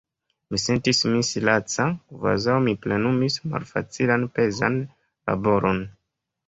Mi sentis min laca, kvazaŭ mi plenumus malfacilan pezan laboron.